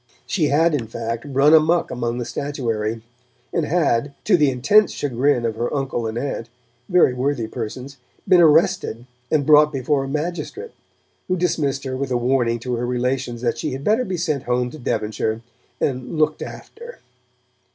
She had, in fact, run amok among the statuary, and had, to the intense chagrin of her uncle and aunt, very worthy persons, been arrested and brought before a magistrate, who dismissed her with a warning to her relations that she had better be sent home to Devonshire and 'looked after'.